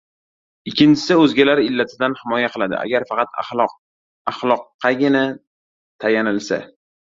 ikkinchisi — o‘zgalar illatidan himoya qiladi. Agar faqat axloqqagina tayanilsa